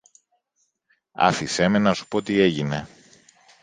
Άφησε με να σου πω τι έγινε.